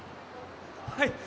はい。